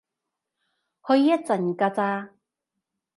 去一陣㗎咋